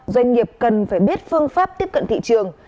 doanh nghiệp cần phải biết phương pháp tiếp cận thị trường